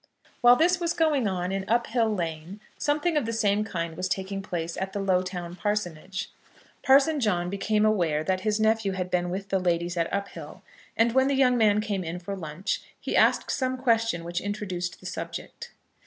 While this was going on in Uphill Lane something of the same kind was taking place at the Lowtown Parsonage. Parson John became aware that his nephew had been with the ladies at Uphill, and when the young man came in for lunch, he asked some question which introduced the subject.